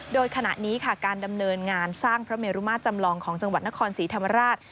โดยขณะนี้ค่ะการดำเนินงานสร้างพระเมรุมาตรจำลองของจังหวัดนครศรีธรรมราช